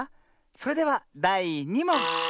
それではだい２もん。